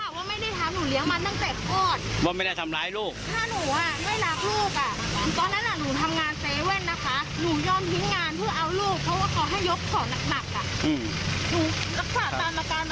หนูยังขอว่าไม่ได้ทำหนูเลี้ยงมันตั้งแต่โฆษณ์